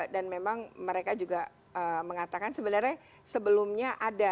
dan memang mereka juga mengatakan sebenarnya sebelumnya ada